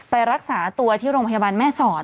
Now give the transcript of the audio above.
ไปรักษาตัวที่โรงพยาบาลแม่สอด